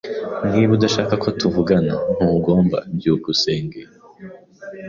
Niba udashaka ko tuvugana, ntugomba. byukusenge